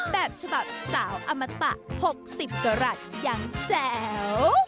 แบบฉบับสาวอมตะ๖๐กรัฐยังแจ๋ว